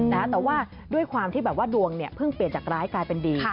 แต่ว่าด้วยความที่ดวงเพิ่งเปลี่ยนจากร้ายกลายเป็นดี